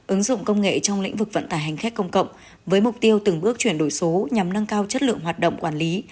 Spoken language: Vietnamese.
ứng dụng công nghệ trong lĩnh vực vận tải hành khách công cộng với mục tiêu từng bước chuyển đổi số nhằm nâng cao chất lượng hoạt động quản lý